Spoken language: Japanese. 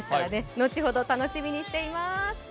後ほど楽しみにしています。